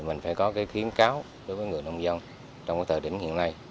mình phải có khiến cáo đối với người nông dân trong thời điểm hiện nay